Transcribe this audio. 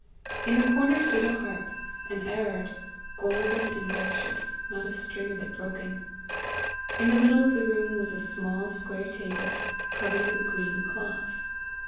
In the corner stood a harp, an Erard, golden and gracious, not a string of it broken. In the middle of the room was a small square table, covered with a green cloth.